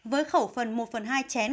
với khẩu phần một phần hai chén